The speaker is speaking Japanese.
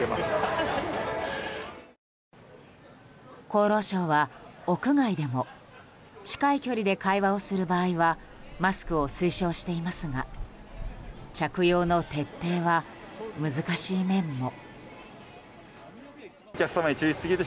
厚労省は、屋外でも近い距離で会話をする場合はマスクを推奨していますが着用の徹底は難しい面も。